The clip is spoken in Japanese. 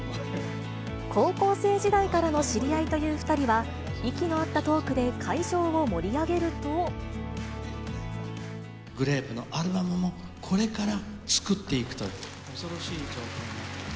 高校生時代からの知り合いという２人は、息の合ったトークでグレープのアルバムも、これから作っていくという恐ろしい状況になって。